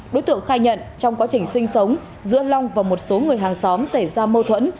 đối tượng khai nhận trong quá trình sinh sống giữa long và một số người hàng xóm xảy ra mâu thuẫn